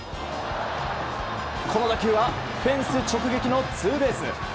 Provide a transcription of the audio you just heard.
この打球はフェンス直撃のツーベース。